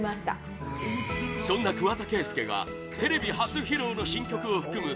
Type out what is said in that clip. そんな桑田佳祐がテレビ初披露の新曲を含む